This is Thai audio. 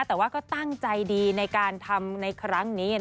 แต่ว่าก็ตั้งใจดีในการทำในครั้งนี้